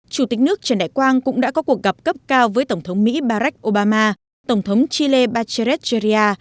chủ tịch nước trần đại quang cũng đã có cuộc gặp cấp cao với tổng thống mỹ barack obama tổng thống chile batcheret guria